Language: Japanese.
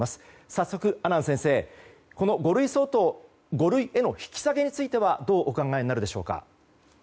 早速、阿南先生この五類相当五類への引き下げについてはどうお考えになるでしょうか。